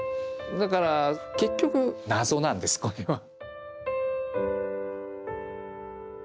だから結局謎なんですこれは。